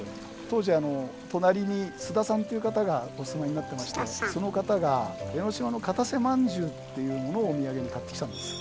当時隣に須田さんという方がお住まいになってましてその方が江の島の「片瀬まんじゅう」というものをお土産に買ってきたんです。